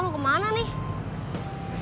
yang bener senjata mungkin